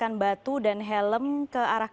anak anaknya masih apakah masih apa